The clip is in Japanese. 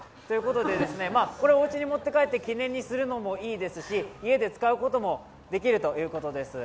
これをお家に持って帰って記念にするのもいいですし家で使うこともできるということです。